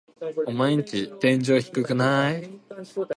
オマエんち天井低くない？